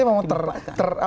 memang terlalu terlalu